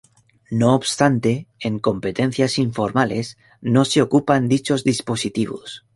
No obstante, en competencias informales no se ocupan dichos dispositivos.